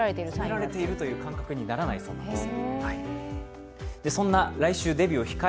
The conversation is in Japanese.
褒められているという感覚にならないそうです。